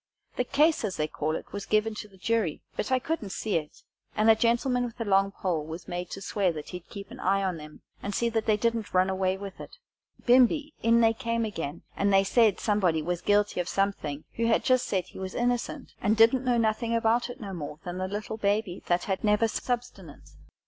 The case, as they call it, was given to the jury, but I couldn't see it, and a gentleman with a long pole was made to swear that he'd keep an eye on 'em, and see that they didn't run away with it. Bimeby in they came again, and they said somebody was guilty of something, who had just said he was innocent, and didn't know nothing about it no more than the little baby that had never subsistence.